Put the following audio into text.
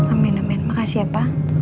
amin amin makasih ya pa